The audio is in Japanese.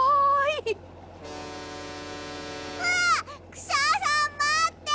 クシャさんまって！